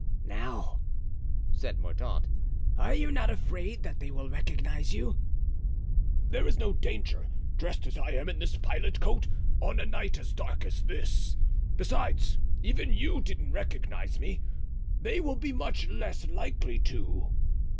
"Now," said Mordaunt, "are you not afraid that they will recognize you?" "There is no danger, dressed as I am in this pilot coat, on a night as dark as this. Besides even you didn't recognize me; they will be much less likely to."